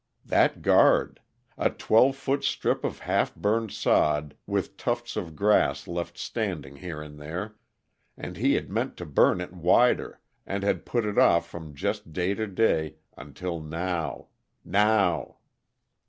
That guard! A twelve foot strip of half burned sod, with tufts of grass left standing here and there and he had meant to burn it wider, and had put it off from day to day, until now. _Now!